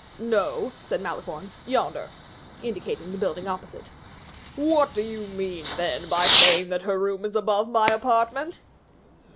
"No," said Malicorne, "yonder," indicating the building opposite. "What do you mean, then, by saying that her room is above my apartment?"